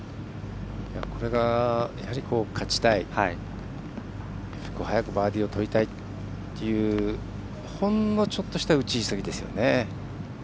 これが勝ちたい早くバーディーをとりたいというほんのちょっとした打ち急ぎですよね。